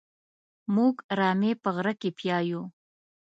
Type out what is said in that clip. موږ رمې په غره کې پيايو.